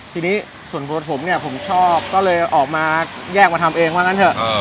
ทีนี้ส่วนตัวผมเนี่ยผมชอบก็เลยออกมาแยกมาทำเองว่างั้นเถอะ